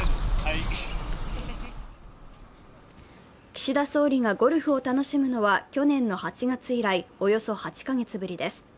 岸田総理がゴルフを楽しむのは、去年の８月以来およそ８か月ぶりです。